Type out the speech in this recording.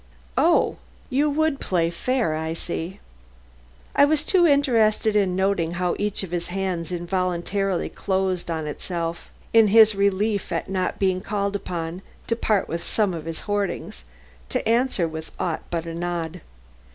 "Oh, you would play fair, I see." I was too interested in noting how each of his hands involuntarily closed on itself, in his relief at not being called upon to part with some of his hoardings, to answer with aught but a nod.